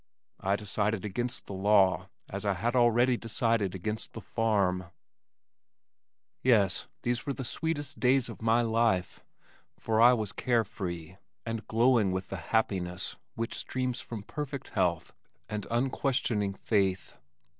I decided against the law, as I had already decided against the farm. Yes, these were the sweetest days of my life for I was carefree and glowing with the happiness which streams from perfect health and unquestioning faith.